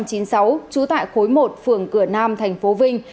trú tại khối một phường cửa nam tp vinh